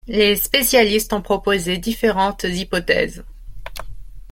Les spécialistes ont proposé différentes hypothèses.